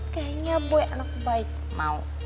kayaknya boy anak baik mau